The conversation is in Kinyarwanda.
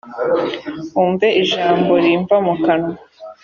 wumve ijambo rimva mu kanwa.